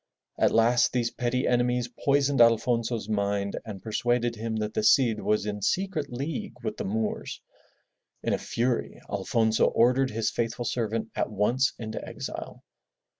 At last these petty enemies poisoned Alfonso's mind and persuaded him that the Cid was in secret league with the Moors. In a fury Alfonso ordered his faithful servant at once into exile.